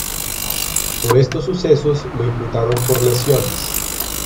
Por estos sucesos lo imputaron por lesiones.